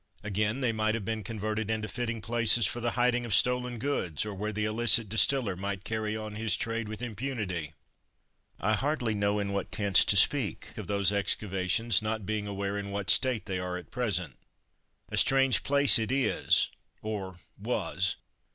Again, they might have been converted into fitting places for the hiding of stolen goods, or where the illicit distiller might carry on his trade with impunity. I hardly know in what tense to speak of those excavations, not being aware in what state they are at present. A strange place it is, or was.